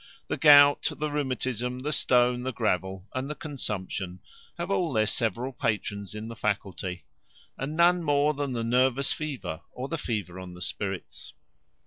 The gout, the rheumatism, the stone, the gravel, and the consumption, have all their several patrons in the faculty; and none more than the nervous fever, or the fever on the spirits.